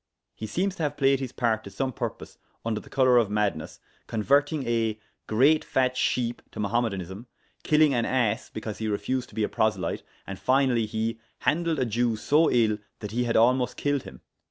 He seems to have played his part to some purpose, under the colour of madness, converting a great fatt shepe to Mohammedanism, killing an ass because he refused to be a proselyte, and, finally, he handeled a Jewe so euyll that he had almost killed hym.